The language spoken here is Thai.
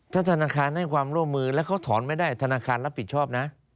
ถ้าธนาคารให้ความร่วมมือแล้วเขาถอนไม่ได้ธนาคารรับผิดชอบนะ